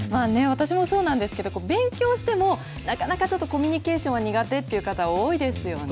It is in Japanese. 私もそうなんですけど勉強しても、なかなかちょっとコミュニケーションが苦手っていう方、多いですよね。